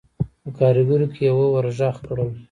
په کارېګرو کې يوه ور غږ کړل: